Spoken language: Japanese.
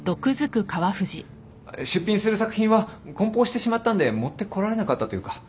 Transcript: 出品する作品は梱包してしまったんで持ってこられなかったというか。